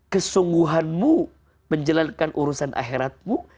kesungguhanmu menjalankan urusan akhiratmu